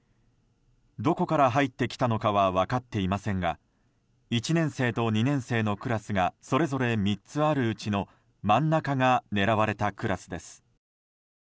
どこから入ってきたのかは分かっていませんが１年生と２年生のクラスがそれぞれ３つあるうちの真ん中が狙われたクラスです。